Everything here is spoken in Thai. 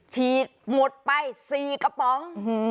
ฉีดหมดไป๔กระป๋อง